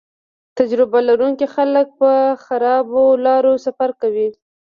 تجربه لرونکي خلک په خرابو لارو سفر کوي